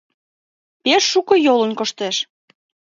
Пеш шуко йолын коштеш.